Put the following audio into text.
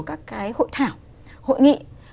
các cái hội thảo hội nghị